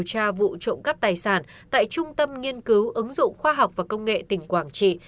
tra vụ trộm cắp tài sản tại trung tâm nghiên cứu ứng dụng khoa học và công nghệ tỉnh quảng trị